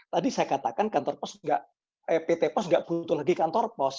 tadi saya katakan kantor pos pt pos nggak butuh lagi kantor pos